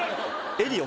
エリオ？